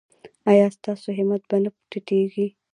ایا ستاسو همت به نه ټیټیږي؟